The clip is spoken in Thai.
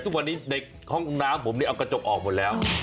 ทุกวันนี้ในห้องน้ำผมนี่เอากระจกออกหมดแล้ว